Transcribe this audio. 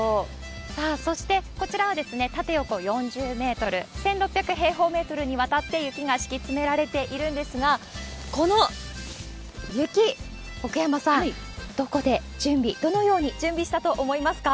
さあ、そして、こちらは縦横４０メートル、１６００平方メートルにわたって雪が敷き詰められているんですが、この雪、奥山さん、どこで準備、どのように準備したと思いますか？